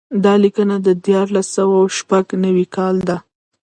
دا لیکنه د دیارلس سوه شپږ نوي کال ده.